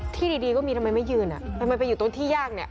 ที่ดีก็มีทำไมไม่ยืนทำไมไปอยู่ตรงที่ยากเนี่ย